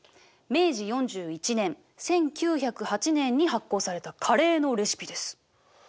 明治４１年１９０８年に発行されたカレーのレシピです。